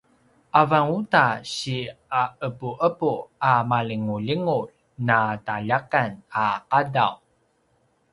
avan uta si aqepuqepu a malingulingulj na taljakan a qadaw